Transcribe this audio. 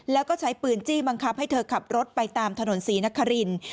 แล้วก็ใช้ปืนจี้บังคับให้เธอขับรถไปตามถนนศรีนคริน